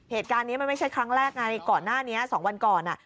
เหตุการณ์นี้มันไม่ใช่ครั้งแรกไงก่อนหน้านี้๒วันก่อน